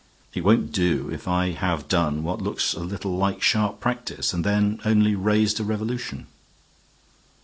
It won't do if I have done what looks a little like sharp practice, and then only raised a revolution."